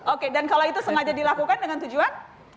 oke dan kalau itu sengaja dilakukan dengan tujuan